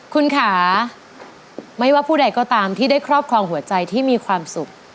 คุณค่ะไม่ว่าผู้ใดก็ตามที่ได้ครอบครองหัวใจที่มีความสุข